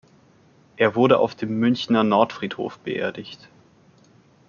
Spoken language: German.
Er wurde auf dem Münchner Nordfriedhof beerdigt.